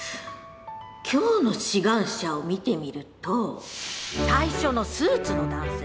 今日の志願者を見てみると最初のスーツの男性。